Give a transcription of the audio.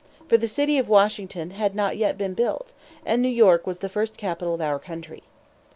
For the city of Washington had not yet been built, and New York was the first capital of our country.